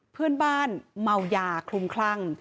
เพื่อนบ้านเมายาคลุมคลั่ง